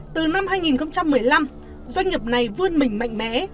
từ năm hai nghìn một mươi năm doanh nghiệp này vươn mình mạnh mẽ